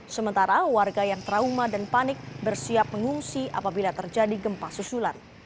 sementara warga yang trauma dan panik bersiap mengungsi apabila terjadi gempa susulan